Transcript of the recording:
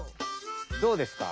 どうですか？